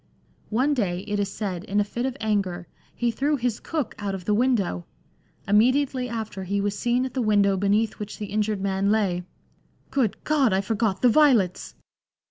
One day, it is said, in a fit of anger, he threw his cook out of the window ; immediately after he was seen at the window beneath which the injured man lay :" Good God I I forgot the violets."